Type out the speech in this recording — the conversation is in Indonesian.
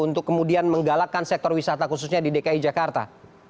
untuk kemudian menggalakkan sektor wisata khususnya di dki jakarta